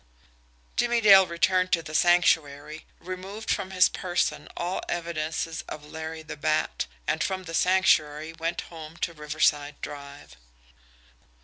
Jimmie Dale returned to the Sanctuary, removed from his person all evidences of Larry the Bat and from the Sanctuary went home to Riverside Drive.